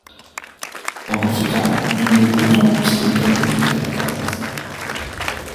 Pendant ce temps, les Bretons poussaient le canot jusqu'à la falaise.